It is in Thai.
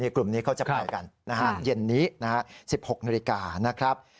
กลุ่มนี้เขาจะแผ่กันเย็นนี้๑๖นิวอีกกา